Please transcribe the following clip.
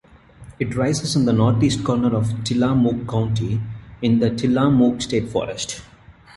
It rises in the northeast corner of Tillamook County, in the Tillamook State Forest.